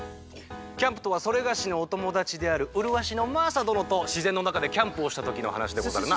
キャンプとはそれがしのおともだちであるうるわしのマーサどのとしぜんのなかでキャンプをしたときのはなしでござるな。